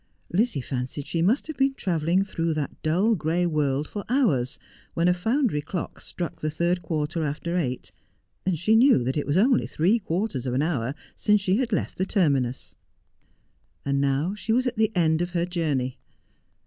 Lizzie fancied she must have been travelling through that dull gray world foi hours when a foundry clock struck the third (iiuuter after eight, From Darkness into Light. 315 md she knew that it was only three quarters of an hour since she bad left the terminus. And now she was at the end of her journey.